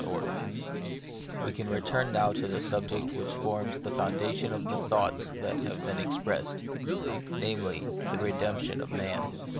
VI7E can return now to the subject which forms the foundation of the thoughts that have been expressed ; namely, the re demption of man.